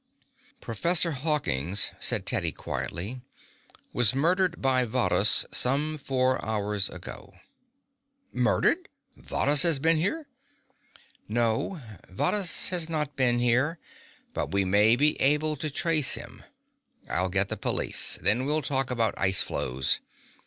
"Professor Hawkins," said Teddy quietly, "was murdered by Varrhus some four hours ago." "Murdered! Varrhus has been here!" "No, Varrhus has not been here, but we may be able to trace him. I'll get the police. Then we'll talk about ice floes.